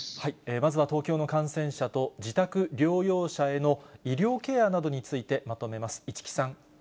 まずは東京の感染者と、自宅療養者への医療ケアなどについてまとめます。